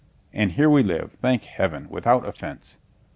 And here we live, thank heaven, without offense.